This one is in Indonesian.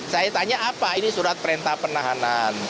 saya tanya apa ini surat perintah penahanan